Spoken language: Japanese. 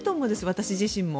私自身も。